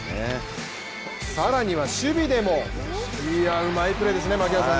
更には守備でも、うまいプレーですね。